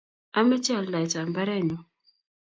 ameche aldaetab mbarenyu.